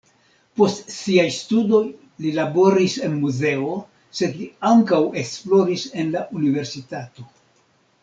Post siaj studoj li laboris en muzeo, sed li ankaŭ esploris en la universitato.